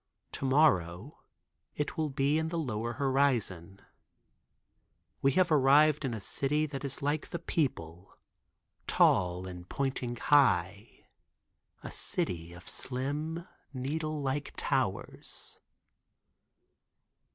To morrow it will be in lower horizon. We have arrived in a city that is like the people, tall and pointing high—a city of slim, needle like towers.